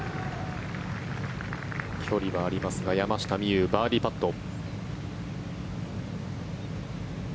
距離はありますが山下美夢有、バーディーパット。